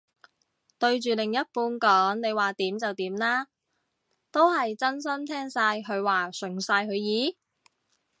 對住另一半講你話點就點啦，都係真心聽晒佢話順晒佢意？